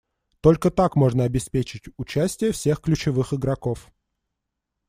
Только так можно обеспечить участие всех ключевых игроков.